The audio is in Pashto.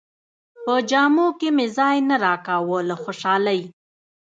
په جامو کې مې ځای نه راکاوه له خوشالۍ.